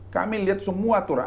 kami lihat semua turun